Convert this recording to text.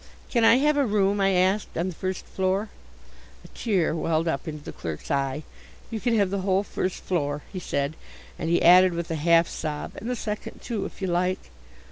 "Can I have a room," I asked, "on the first floor?" A tear welled up into the clerk's eye. "You can have the whole first floor," he said, and he added, with a half sob, "and the second, too, if you like."